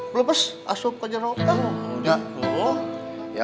belum pas asup kajar nanggut dah